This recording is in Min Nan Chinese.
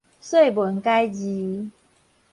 說文解字